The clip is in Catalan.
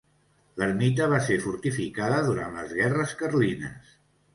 L'ermita va ser fortificada durant les Guerres Carlines.